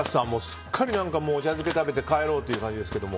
すっかりお茶漬け食べて帰ろうという感じですけど。